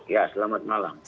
ya selamat malam